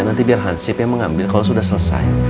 nanti biar hansip yang mengambil kalau sudah selesai